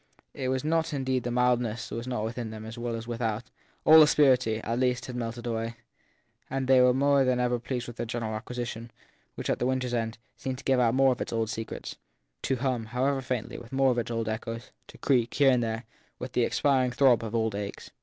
It was not indeed that the mildness was not within them as well as without ; all asperity, at least, had melted away ; they were more than ever pleased with their general acquisition, which, at the winter s end, seemed to give out more of its old secrets, to hum, however faintly, with more of its old echoes, to creak, here and there, with the expiring throb of old aches.